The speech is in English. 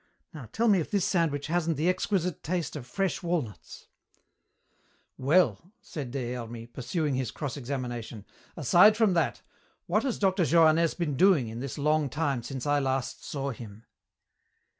Now tell me if this sandwich hasn't the exquisite taste of fresh walnuts." "Well," said Des Hermies, pursuing his cross examination, "aside from that, what has Dr. Johannès been doing in this long time since I last saw him?"